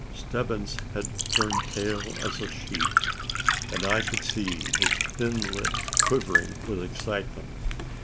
Stebbins had turned pale as a sheet; and I could see his thin lips quivering with excitement.